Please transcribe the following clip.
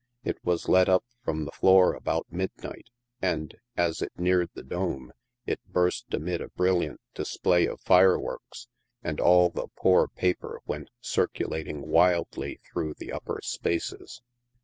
It was let Up from the floor about midnight, and, as it neared the dome, it burst amid a brilliant display of fireworks, and all the poor paper went circulating wildly through the upper spaces.